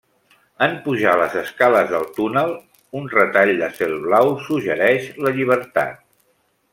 En pujar les escales del túnel un retall de cel blau suggereix la llibertat.